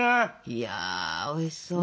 いやおいしそう。